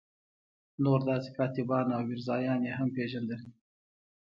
نور داسې کاتبان او میرزایان یې هم پېژندل.